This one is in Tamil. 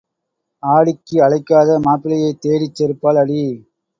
ஆடிக்கு அழைக்காத மாப்பிள்ளையைத் தேடிச் செருப்பால் அடி.